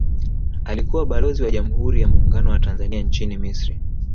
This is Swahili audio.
Alikuwa Balozi wa Jamhuri ya Muungano wa Tanzania nchini Misri